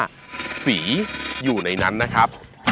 สีอยู่ในนั้นนะครับ